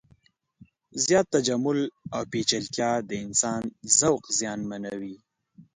زیات تجمل او پیچلتیا د انسان ذوق زیانمنوي.